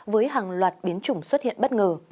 với hàng loạt biến chủng xuất hiện bất ngờ